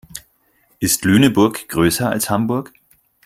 Ist Lüneburg größer als Hamburg?